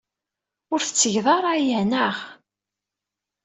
Ur tettgeḍ ara aya, naɣ?